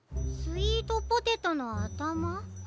「スイートポテトのあたま」？